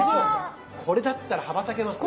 これだったら羽ばたけますね。